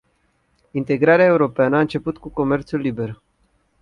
Integrarea europeană a început cu comerțul liber.